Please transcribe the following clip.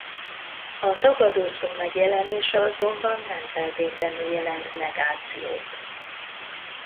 A tagadószó megjelenése azonban nem feltétlenül jelent negációt.